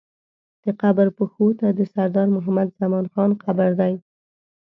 د قبر پښو ته د سردار محمد زمان خان قبر دی.